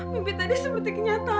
mimpi tadi seperti kenyataan